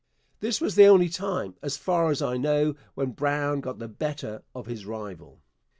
This was the only time, as far as I know, when Brown got the better of his rival.